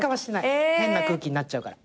変な空気になっちゃうから。